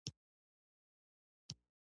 محمدافضل خان ډېر ژر وفات شو.